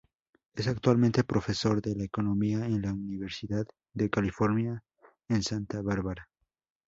Es actualmente profesor de la economía en la Universidad de California en Santa Bárbara.